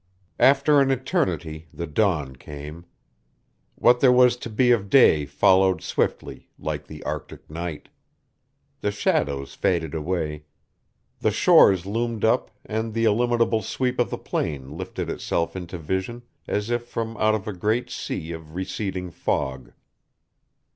After an eternity the dawn came. What there was to be of day followed swiftly, like the Arctic night. The shadows faded away, the shores loomed up and the illimitable sweep of the plain lifted itself into vision as if from out of a great sea of receding fog.